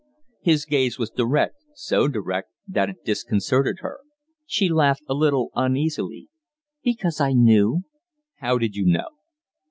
His gaze was direct so direct that it disconcerted her. She laughed a little uneasily. "Because I knew." "How did you know?"